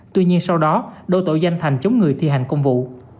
tuy nhiên sau đó đôi tội danh thành chống người thi hành công vụ